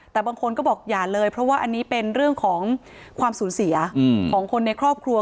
แต่บางคนก็บอกอย่าเลยเพราะว่าอันนี้เป็นเรื่องของความสูญเสียของคนในครอบครัว